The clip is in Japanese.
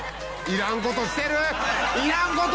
いらん事してる！」